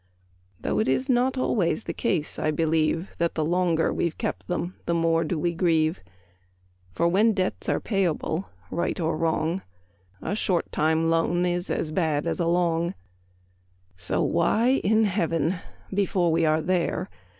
Though it is not always the case, I believe, That the longer we've kept 'em, the more do we grieve: For, when debts are payable, right or wrong, A short time loan is as bad as a long So why in Heaven (before we are there!)